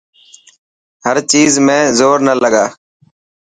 هر چيز ۾ زور نا لگا.